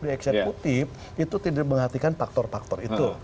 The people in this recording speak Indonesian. dieksekutif itu tidak menghatikan faktor faktor itu